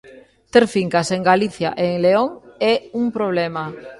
Ter fincas en Galicia e en León é un problema.